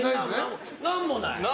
何もない。